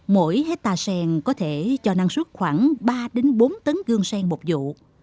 mỗi hectare sen có thể cho năng suất khoảng ba bốn tấn gương sen một vụ